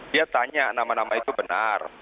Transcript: dia tanya nama nama itu benar